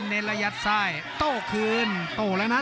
โหโหโหโหโหโหโห